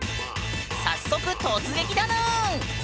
早速突撃だぬん！